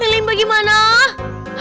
hei leng bagaimana